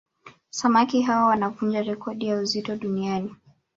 Samaki hawa wanavunja rekodi ya uzito duniani